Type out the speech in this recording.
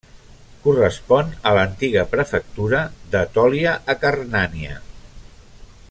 Correspon a l'antiga prefectura d'Etòlia-Acarnània.